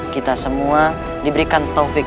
kita semua diberikan taufik